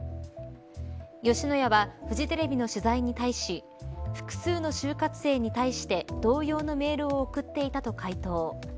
吉野家はフジテレビの取材に対し複数の就活生に対して同様のメールを送っていたと回答。